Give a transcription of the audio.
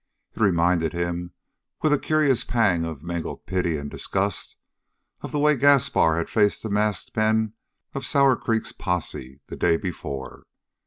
It reminded him, with a curious pang of mingled pity and disgust, of the way Gaspar had faced the masked men of Sour Creek's posse the day before.